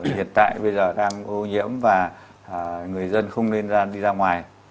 hiện tại bây giờ đang ô nhiễm và người dân không nên đi ra ngoài